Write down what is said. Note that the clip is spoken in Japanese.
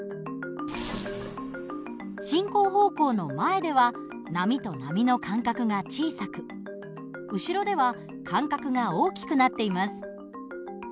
進行方向の前では波と波の間隔が小さく後ろでは間隔が大きくなっています。